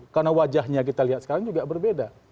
karena wajahnya kita lihat sekarang juga berbeda